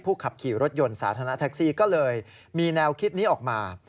ขับขี่รถยนต์สาธารณะแท็กซี่ก็เลยมีแนวคิดนี้ออกมา